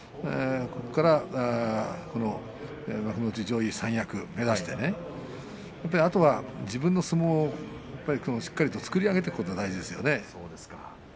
ここから幕内上位三役を目指してあとは自分の相撲をしっかりと作り上げていくことが大事ですよね。